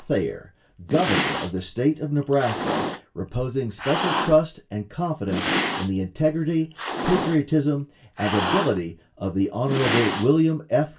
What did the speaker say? Thayer, governor of the State of Nebraska, reposing special trust and confidence in the integrity, patriotism, and ability of the Hon. William F.